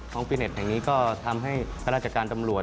ห้องฟิตเน็ตแห่งนี้ก็ทำให้ภาระจักรการตำรวจ